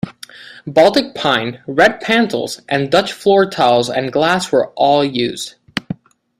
Baltic pine, red pantiles, and Dutch floor tiles and glass were all used.